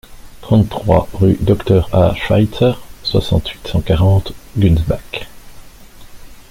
trente-trois rue Dr A Schweitzer, soixante-huit, cent quarante, Gunsbach